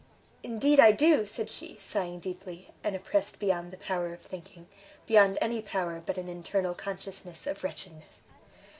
"Indeed I do!" said she, sighing deeply, and oppressed beyond the power of thinking, beyond any power but an internal consciousness of wretchedness.